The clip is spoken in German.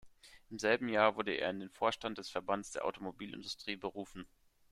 Im selben Jahr wurde er in den Vorstand des Verbands der Automobilindustrie berufen.